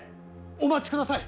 お待ちください。